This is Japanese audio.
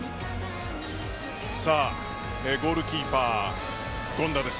さあ、ゴールキーパー権田です。